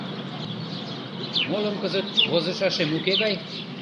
Молым кызыт возышашем уке гай.